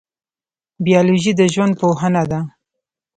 بیولوژي د ژوند پوهنه ده